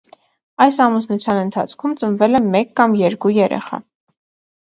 Այս ամուսնության ընթացքում ծնվել է մեկ կամ երկու երեխա։